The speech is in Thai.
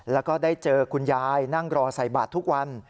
แล้วก็ได้เจอคุณยายนั่งรอใส่บาททุกวัน